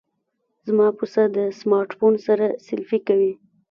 زما پسه د سمارټ فون سره سیلفي کوي.